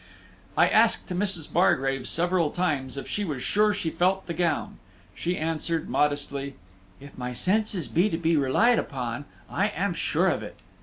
I asked Mrs. Bargrave several times if she was sure she felt the gown. She answered, modestly, "If my senses be to be relied on, I am sure of it."